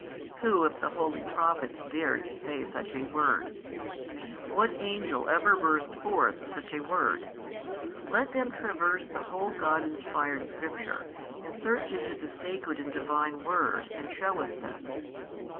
who of the holy Prophets dared to say such a word? what angel ever burst forth such a word? let them traverse the whole God inspired Scripture and search into the sacred and Divine Word, and shew us this.